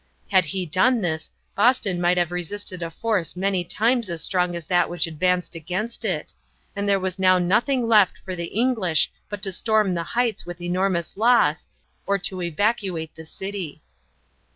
Had he done this Boston might have resisted a force many times as strong as that which advanced against it, and there was now nothing left for the English but to storm the heights with enormous loss or to evacuate the city.